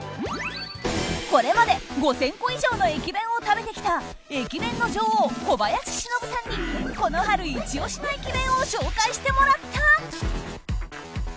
これまで５０００個以上の駅弁を食べてきた駅弁の女王・小林しのぶさんにこの春イチ押しの駅弁を紹介してもらった。